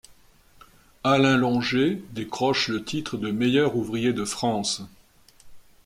Alain Longet décroche le titre de Meilleur ouvrier de France.